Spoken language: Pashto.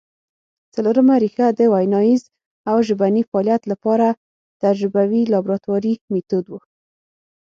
څلورمه ریښه د ویناييز او ژبني فعالیت له پاره تجربوي لابراتواري مېتود وو